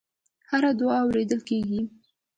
هره دعا اورېدل کېږي.